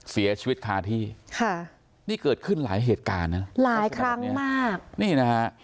เสียชีวิตคาที่ค่ะนี่เกิดขึ้นหลายเหตุการณ์นะหลายครั้งมากนี่นะฮะ